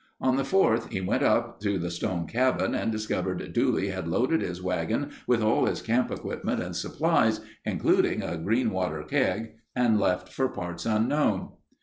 On the fourth he went up to the stone cabin and discovered Dooley had loaded his wagon with all the camp equipment and supplies, including a green water keg and left for parts unknown.